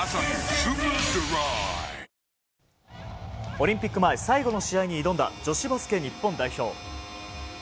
オリンピック前最後の試合に挑んだ女子バスケ日本代表。